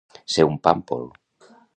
Ser un pàmpol.